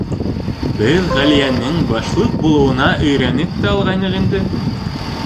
Беҙ Ғәлиәнең башлыҡ булыуына өйрәнеп тә алғайныҡ инде.